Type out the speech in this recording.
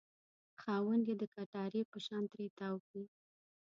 خاوند یې د کټارې په شان ترې تاو وي.